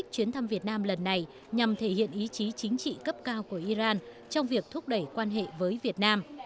chuyến thăm việt nam lần này nhằm thể hiện ý chí chính trị cấp cao của iran trong việc thúc đẩy quan hệ với việt nam